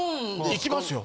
いきますよ。